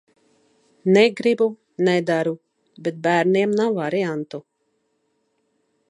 Negribu, nedaru. Bet bērniem nav variantu.